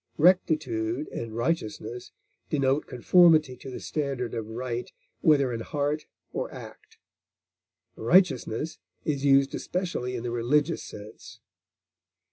Rectitude and righteousness denote conformity to the standard of right, whether in heart or act; righteousness is used especially in the religious sense.